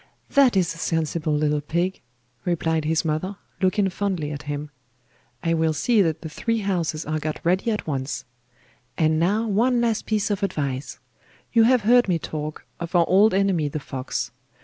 'That is a sensible little pig,' replied his mother, looking fondly at him. 'I will see that the three houses are got ready at once. And now one last piece of advice. You have heard me talk of our old enemy the fox.